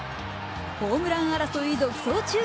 ホームラン争い独走中。